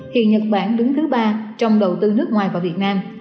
hiện nhật bản đứng thứ ba trong đầu tư nước ngoài vào việt nam